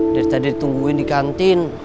dari tadi ditungguin di kantin